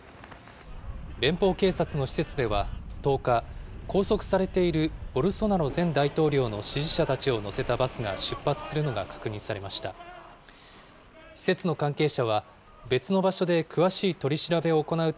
連邦警察の施設では、１０日、拘束されているボルソナロ前大統領の支持者たちを乗せたバスが出発するのが確認されました。